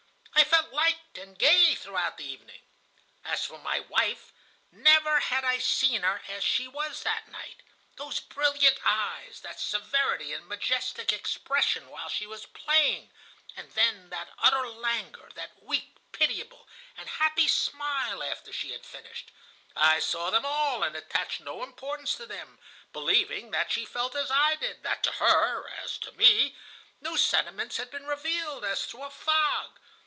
I felt light and gay throughout the evening. As for my wife, never had I seen her as she was that night. Those brilliant eyes, that severity and majestic expression while she was playing, and then that utter languor, that weak, pitiable, and happy smile after she had finished,—I saw them all and attached no importance to them, believing that she felt as I did, that to her, as to me, new sentiments had been revealed, as through a fog.